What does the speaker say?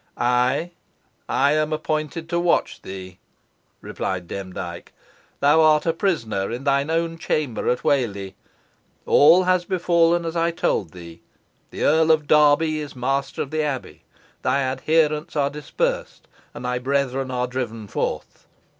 "Ay, I am appointed to watch thee," replied Demdike. "Thou art a prisoner in thine own chamber at Whalley. All has befallen as I told thee. The Earl of Derby is master of the abbey; thy adherents are dispersed; and thy brethren are driven forth.